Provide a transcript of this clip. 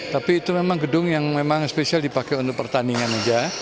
tapi itu memang gedung yang memang spesial dipakai untuk pertandingan meja